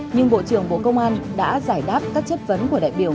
nhưng bộ trưởng bộ công an đã giải đáp các chất vấn của đại biểu